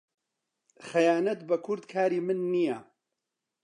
خەیانەت بە کورد کاری من نییە.